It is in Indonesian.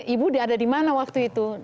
ibu ada di mana waktu itu